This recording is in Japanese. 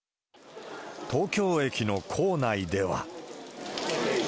東京駅の構内では。